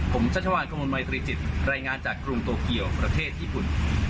ผมชัชวานกระมวลมัยตรีจิตรายงานจากกรุงโตเกียวประเทศญี่ปุ่น